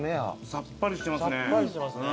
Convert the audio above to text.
さっぱりしてますね。